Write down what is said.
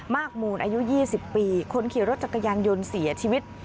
มูลอายุ๒๐ปีคนขี่รถจักรยานยนต์เสียชีวิต